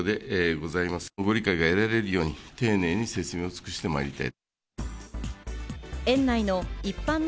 ご理解が得られるように丁寧に説明を尽くしてまいりたい。